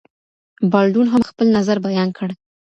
بالډون هم خپل نظر بیان کړ.